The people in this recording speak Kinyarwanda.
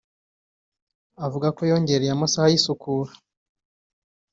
Avuga ko yongereye amasaha y’isukura